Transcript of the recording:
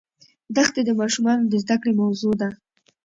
دښتې د ماشومانو د زده کړې موضوع ده.